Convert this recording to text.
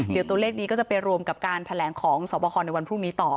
เดี๋ยวตัวเลขนี้ก็จะไปรวมกับการแถลงของสวบคในวันพรุ่งนี้ต่อ